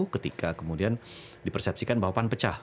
ketika kemudian dipersepsikan bahwa pan pecah